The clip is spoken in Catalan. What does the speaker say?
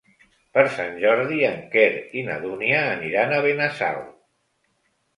Per Sant Jordi en Quer i na Dúnia aniran a Benassal.